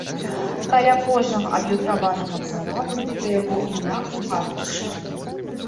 Каля кожнага адлюстраванага цара выбіта яго імя ў картушы.